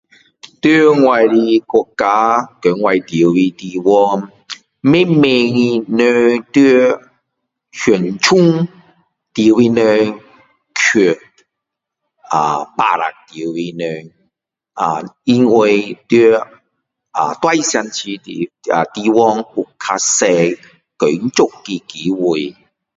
在我的国家和我住的地方慢慢的人在乡村住的人去巴沙的住的人呵因为在大城市住的人地方有比较多工作的机会